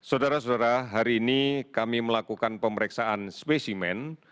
saudara saudara hari ini kami melakukan pemeriksaan spesimen